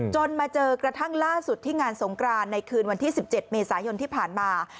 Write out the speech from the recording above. มาเจอกระทั่งล่าสุดที่งานสงกรานในคืนวันที่๑๗เมษายนที่ผ่านมา